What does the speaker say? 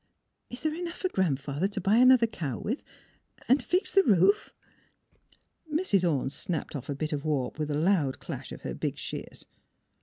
^' Is there enough for Gran 'father to buy an other cow with, and — and fix the roof? " Mrs. Orne snipped off a bit of warp with a loud clash of her big shears.